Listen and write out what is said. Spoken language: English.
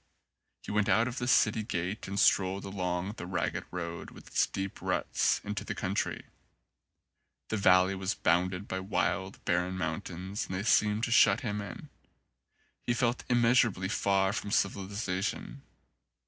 He went out of the city gate and strolled along the ragged road, with its deep ruts, into the country. The valley was bounded by wild, barren mountains and they seemed to shut him 90 in. He felt immeasurably far away from civilisa tion.